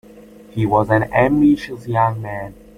He was an ambitious young man.